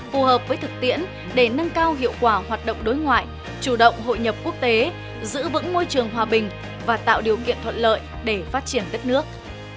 phù hợp với thực tiễn để nâng cao hiệu quả hoạt động đối ngoại chủ động hội nhập quốc tế giữ vững môi trường hòa bình và tạo điều kiện thuận lợi để phát triển đất nước